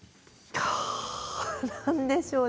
はあ何でしょうね